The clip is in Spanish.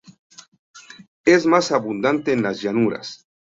Es más abundante en las llanuras.